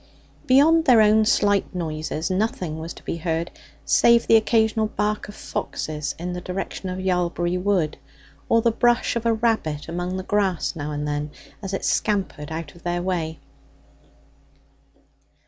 Beyond their own slight noises nothing was to be heard, save the occasional bark of foxes in the direction of Yalbury Wood, or the brush of a rabbit among the grass now and then, as it scampered out of their way.